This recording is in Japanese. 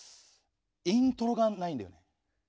イントロがないんだよね。